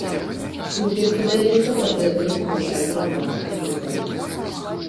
Тут, як падаецца, патрэбная тлумачальная праца кандуктараў.